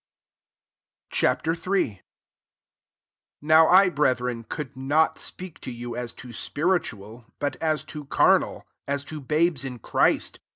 Ch. III. 1 NOW I, breth ren, could not speak to you as to spiritual; but as to carnal, as to babes in Christ.